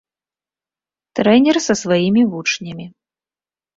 Трэнер са сваімі вучнямі.